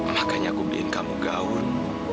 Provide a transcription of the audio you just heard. makanya aku bikin kamu gaun